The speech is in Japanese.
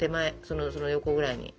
その横ぐらいに。